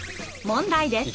問題です。